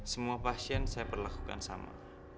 semua pasien saya perlakukan sama